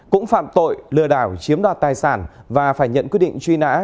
cũng phạm tội lừa đảo chiếm đoạt tài sản và phải nhận quyết định truy nã